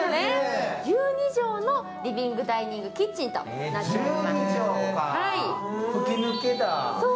１２畳のリビングダイニングキッチンとなっております。